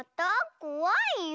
こわいよ。